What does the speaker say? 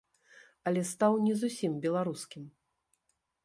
Але стаў не зусім беларускім.